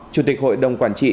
chủ tịch hội đồng quản trị